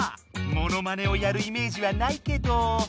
モノマネをやるイメージはないけど。